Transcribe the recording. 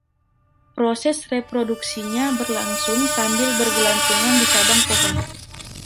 Proses reproduksinya berlangsung sambil bergelantungan di cabang pohon.